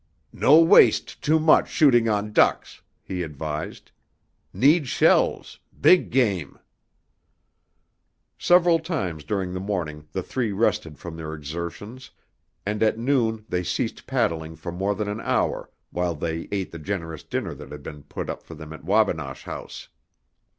"No waste too much shooting on ducks," he advised. "Need shells big game." Several times during the morning the three rested from their exertions, and at noon they ceased paddling for more than an hour while they ate the generous dinner that had been put up for them at Wabinosh House.